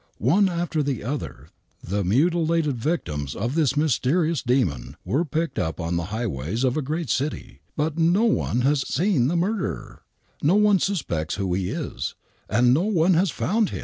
One after the other the mutilated victims of this mysterious demon were picked up on the highways of a great city, but no one has seen the murderer, no one suspects who he is, and no one has found him.